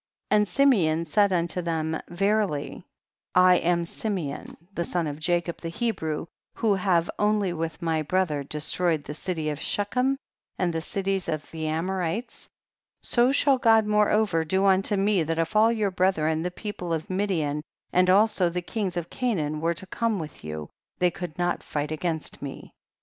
14. And Simeon said unto them, verily I am Simeon the son of Ja 9 cob the Hebrew, who have, only with my brother, destroyed the city of Shechem and the cities of the Amorites ; so shall God moreover do unto me, that if all your brethren the people of Midian, and also the kings of Canaan, were to come with you, they could not fight against me, 15.